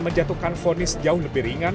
menjatuhkan fonis jauh lebih ringan